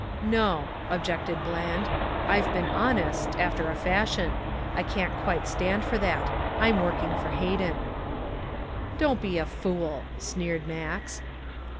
"No," objected Bland. "I've been honest after a fashion. I can't quite stand for that. I'm working for Hayden." "Don't be a fool," sneered Max.